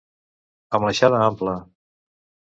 Amb l'aixada ampla.